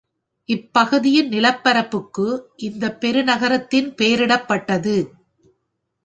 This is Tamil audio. இப்பகுதியின் நிலப்பரப்புக்கு இந்த பெருநகரத்தின் பெயரிடப்பட்டது.